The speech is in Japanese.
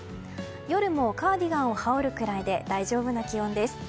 夜もカーディガンを羽織るぐらいで大丈夫な気温です。